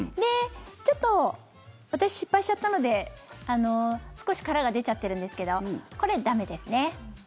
ちょっと、私失敗しちゃったので少し殻が出ちゃってるんですけどこれ、駄目ですね。